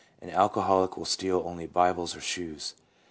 an alcoholic will steal only bibles or shoes.